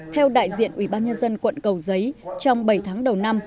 theo đại diện ubnd quận cầu giấy trong bảy tháng đầu năm